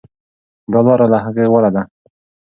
دا لاره له هغې غوره ده.